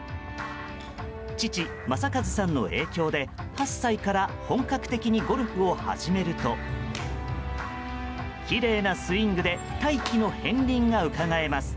父・正和さんの影響で８歳から本格的にゴルフを始めるときれいなスイングで大器の片鱗がうかがえます。